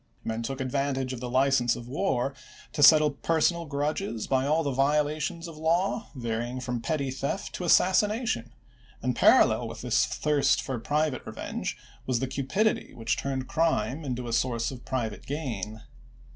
Men took advantage of the license of war to settle personal grudges by all the violations of law, varying from petty theft to assassination ; and parallel with this thirst for private revenge was the cupidity which turned crime into a source of private gain.